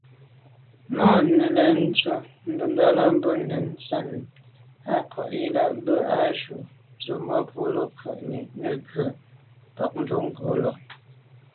Nə̀ là’tə̌ wud, ndʉ̂lαlα mbə̌ nə̀ soŋ mɛ̌n zə̀ ò bə̂ yi lα, bə α̂ ju zə̀ mbὰwəlô kû’ni nə̀ ghʉ̀ mbὰndʉ̌kəlô lα.